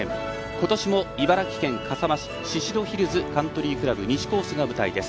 ことしも茨城県笠間市宍戸ヒルズカントリークラブ西コースが舞台です。